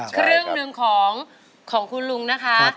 ครึ่งหนึ่งของคุณลุงนะคะ